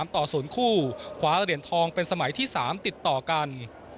ต่อ๐คู่คว้าเหรียญทองเป็นสมัยที่๓ติดต่อกัน